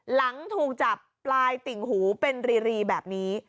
หลังถูกจับปลายติ่งหูเป็นรีแบบนี้